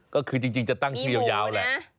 ก็คือจริงจะตั้งคิวยาวแหละ